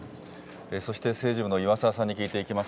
そして政治部の岩澤さんに聞いていきます。